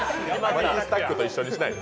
「マキスタック」と一緒にしないで。